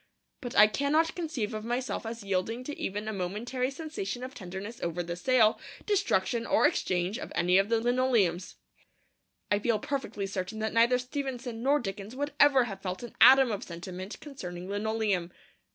But I cannot conceive of myself as yielding to even a momentary sensation of tenderness over the sale, destruction, or exchange of any of the linoleums. I feel perfectly certain that neither Stevenson nor Dickens would ever have felt an atom of sentiment concerning linoleum.